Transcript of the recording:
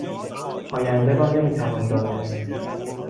آینده را نمیتوان دانست.